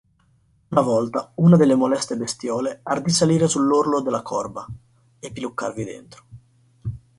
Una volta una delle moleste bestiole ardì salire sull'orlo della corba e piluccarvi dentro.